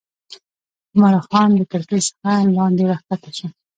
عمرا خان له کړکۍ څخه لاندې راکښته شو.